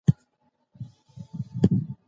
د مطالعې ذوق باید څنګه ژوندی وساتل سي؟